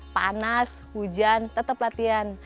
panas hujan tetap latihan